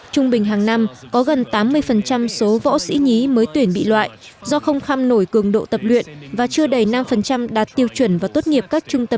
trung bình hàng năm có gần tám mươi số võ sĩ nhí mới tuyển bị loại do không khăm nổi cường độ tập luyện và chưa đầy năm đạt tiêu chuẩn và tốt nghiệp các trung tâm